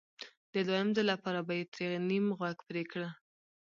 د دویم ځل لپاره به یې ترې نیم غوږ پرې کړ